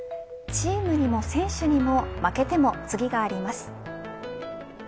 チームにも選手にも負けても次があります。